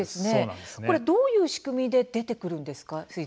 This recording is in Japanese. どういう仕組みで水田から出てくるんですか。